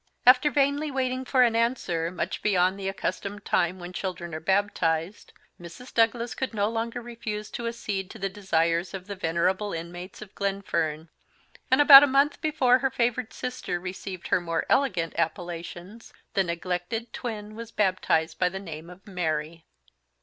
After vainly waiting for an answer, much beyond the accustomed time when children are baptized, Mrs. Douglas could no longer refuse to accede to the desires of the venerable inmates of Glenfern; and about a month before her favoured sister received her more elegant appellations, the neglected twin was baptized by the name of Mary.